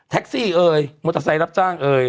แท็กซี่เอ่ยมอเตอร์ไซซ์รับจ้างเอ่ย